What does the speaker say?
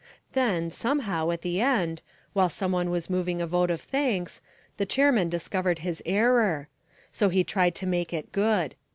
Then, somehow, at the end, while some one was moving a vote of thanks, the chairman discovered his error. So he tried to make it good.